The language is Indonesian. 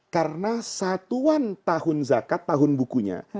karena satuan tahun zakat tahun bukunya